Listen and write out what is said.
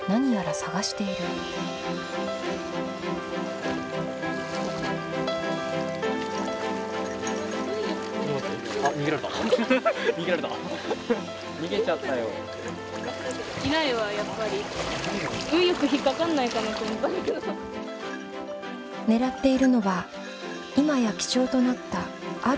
狙っているのは今や貴重となったある生き物。